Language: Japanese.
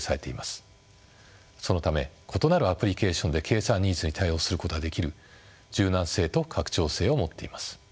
そのため異なるアプリケーションで計算ニーズに対応することができる柔軟性と拡張性を持っています。